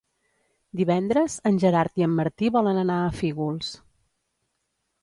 Divendres en Gerard i en Martí volen anar a Fígols.